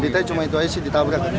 detailnya cuma itu aja sih ditabrak